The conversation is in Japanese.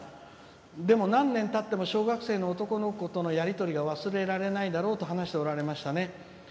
でも、何年たっても小学生の男の子とのやり取りが忘れられないだろうと話していましたね。